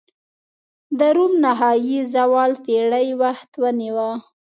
د روم نهايي زوال پېړۍ وخت ونیوه.